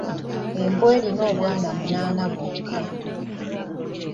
Embwa alina obwana omunaana bwokka.